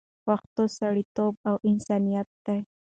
پښتو سړیتوب او انسانیت دی